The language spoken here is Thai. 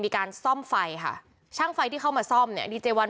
มีการซ่อมไฟค่ะช่างไฟที่เข้ามาซ่อมเนี่ยดีเจวัน